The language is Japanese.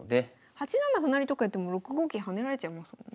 ８七歩成とかやっても６五桂跳ねられちゃいますもんね。